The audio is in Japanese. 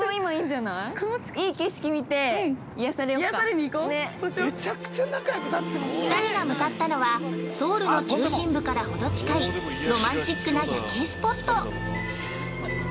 ◆２人が向かったのはソウルの中心部からほど近いロマンチックな夜景スポット。